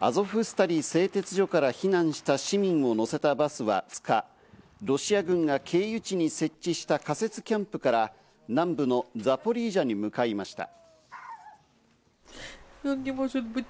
アゾフスタリ製鉄所から避難した市民を乗せたバスは２日、ロシア軍が経由地に設置した仮設キャンプから南部のザポリージャに向かいました。